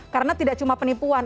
karena tidak cuma penipuan